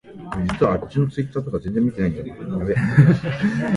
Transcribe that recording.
北海道訓子府町